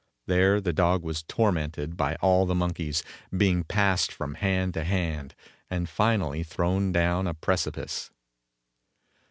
There the dog was tormented by all the monkeys, being passed from hand to hand and finally thrown down a precipice.